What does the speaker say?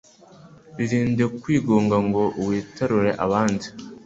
Irinde kwigunga ngo witarure abandi,